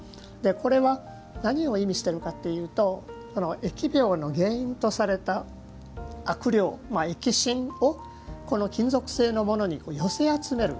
これは何を意味しているかというと疫病の原因とされた悪霊、疫神を金属製のものに寄せ集める。